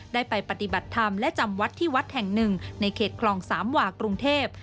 ได้ไปปฏิบัติธรรมและจำวัดที่วัดแห่งหนึ่งในเขตคลองสามหว่ากรุงเทพ